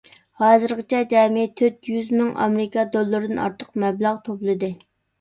ھازىرغىچە جەمئىي تۆت يۈز مىڭ ئامېرىكا دوللىرىدىن ئارتۇق مەبلەغ توپلىدى.